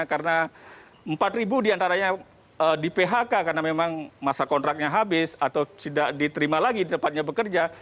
karena empat ribu diantaranya di phk karena memang masa kontraknya habis atau tidak diterima lagi di tempatnya bekerja